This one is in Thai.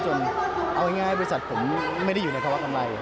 จนเอาง่ายบริษัทผมไม่มีอยู่ในความคำไร